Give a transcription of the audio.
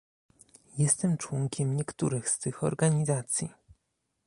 Jestem członkiem niektórych z tych organizacji